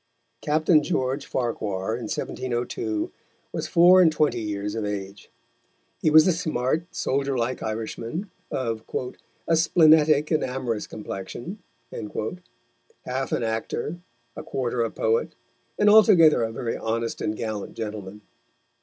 Captain George Farquhar, in 1702, was four and twenty years of age. He was a smart, soldier like Irishman, of "a splenetic and amorous complexion," half an actor, a quarter a poet, and altogether a very honest and gallant gentleman.